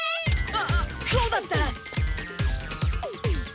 ああっそうだった！